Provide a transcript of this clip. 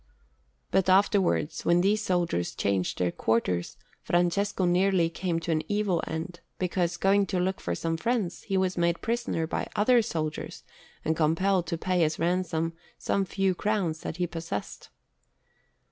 But afterwards, when these soldiers changed their quarters, Francesco nearly came to an evil end, because, going to look for some friends, he was made prisoner by other soldiers and compelled to pay as ransom some few crowns that he possessed.